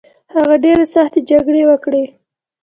هغه ډیرې سختې جګړې وکړې